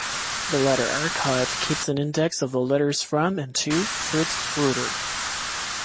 The latter archive keeps an index of the letters from and to Fritz Reuter.